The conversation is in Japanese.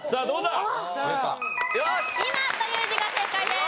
どうだ？